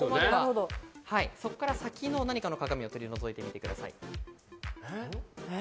そこから先の何かの鏡を取り除いてみてください。